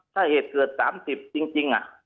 ถ้าเหตุเกิด๓๐จริง